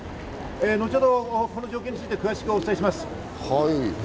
のちほどこの状況について詳しくお伝えします。